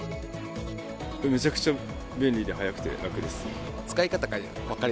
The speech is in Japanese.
めちゃくちゃ便利で速くて楽です。